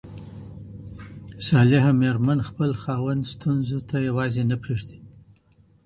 صالحه ميرمن خپل خاوند ستونزو ته يوازي نه پريږدي.